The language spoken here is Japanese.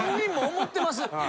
思ってます。